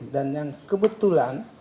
dan yang kebetulan